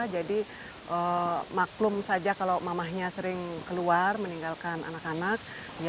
jadi maklum saja kalau mamahnya sering keluar meninggalkan anak anak